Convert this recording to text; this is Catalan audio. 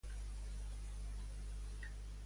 Què impartia al Seminari Conciliar de Barcelona?